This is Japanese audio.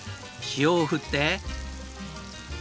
塩を振って。